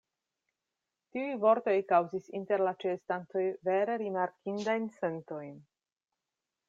Tiuj vortoj kaŭzis inter la ĉeestantoj vere rimarkindajn sentojn.